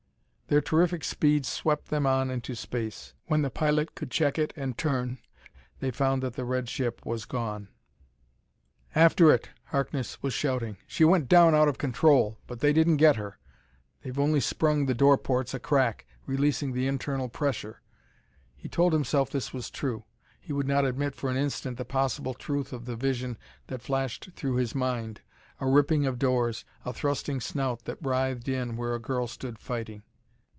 Their terrific speed swept them on into space. When the pilot could check it, and turn, they found that the red ship was gone. "After it!" Harkness was shouting. "She went down out of control, but they didn't get her. They've only sprung the door ports a crack, releasing the internal pressure." He told himself this was true; he would not admit for an instant the possible truth of the vision that flashed through his mind a ripping of doors a thrusting snout that writhed in where a girl stood fighting.